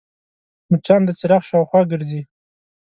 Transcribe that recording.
مچان د څراغ شاوخوا ګرځي